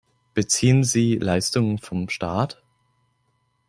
Beziehen sie Leistungen von Staat?